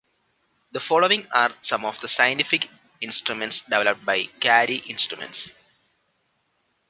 The following are some of the scientific instruments developed by Cary Instruments.